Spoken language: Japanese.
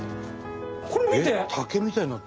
これ見て。